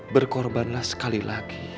berkorbanlah sekali lagi